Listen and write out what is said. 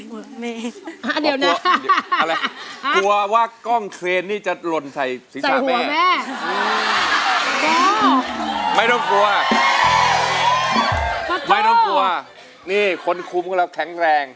พี่เบ๊กย์ก็นึกว่าเราเป็นกังวลเรื้อคอร่อง